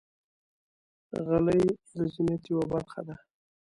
غلۍ د زینت یوه برخه ده.